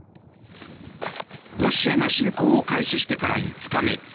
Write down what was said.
ロシアが侵攻を開始してから５日目